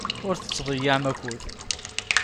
Ur tettḍeyyiɛem akud.